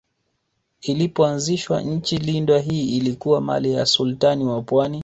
Ilipoanzishwa Nchi lindwa hii ilikuwa mali ya Sultani wa Pwani